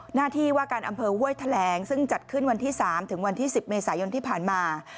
หน้าที่ว่าการอำเภอห้วยแถลงซึ่งจัดขึ้นวันที่๓ถึงวันที่๑๐เมษายนที่ผ่านมา